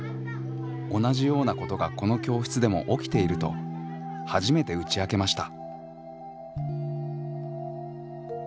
同じようなことがこの教室でも起きていると初めて打ち明けました。